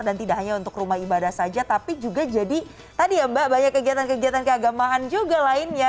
dan tidak hanya untuk rumah ibadah saja tapi juga jadi tadi ya mbak banyak kegiatan kegiatan keagamaan juga lainnya